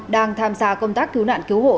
đang tham gia công tác cứu nạn cứu hộ